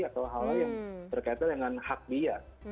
atau hal hal yang berkaitan dengan hak dia